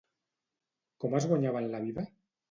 Com es guanyaven la vida?